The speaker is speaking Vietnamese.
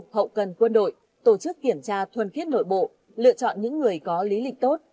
hậu cần quân đội tổ chức kiểm tra thuần khiết nội bộ lựa chọn những người có lý lịnh tốt